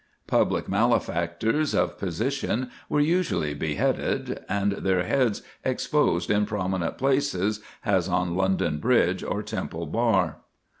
Public malefactors of position were usually beheaded, and their heads exposed in prominent places, as on London Bridge or Temple Bar.